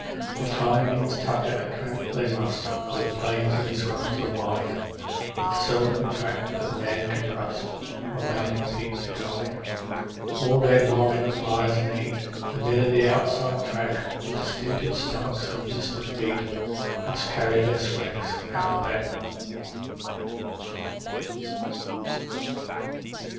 _For time means tucker, and tramp they must, where the plains and scrubs are wide, With seldom a track that a man can trust, or a mountain peak to guide; All day long in the flies and heat the men of the outside track With stinted stomachs and blistered feet must carry their swags Out Back.